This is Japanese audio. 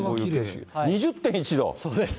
２０．１度？